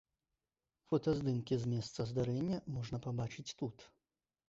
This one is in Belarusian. Фотаздымкі з месца здарэння можна пабачыць тут.